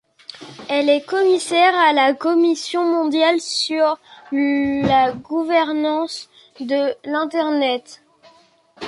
Elle est commissaire à la Commission mondiale sur la gouvernance de l'Internet.